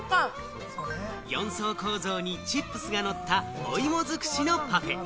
４層構造にチップスがのった、お芋づくしのパフェ。